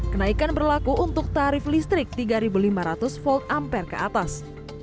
kenaikan berlaku untuk tarif listrik tiga ribu lima ratus v amper ke atas